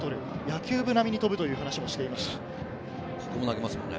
野球部並みに飛ぶという話もしていました。